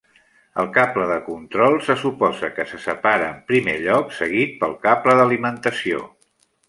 El cable de control se suposa que se separa en primer lloc, seguit pel cable d'alimentació.